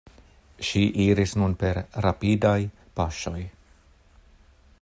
Ŝi iris nun per rapidaj paŝoj.